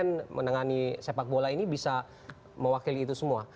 yang menengani sepak bola ini bisa mewakili itu semua